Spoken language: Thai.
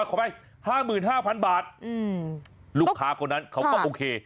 ขอไปห้าหมื่นห้าพันบาทอืมลูกค้าคนนั้นเขาก็โอเค